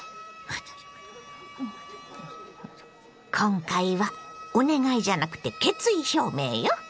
今回はお願いじゃなくて決意表明よ。